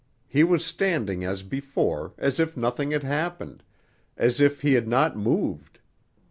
He was standing as before, as if nothing had happened, as if he had not moved.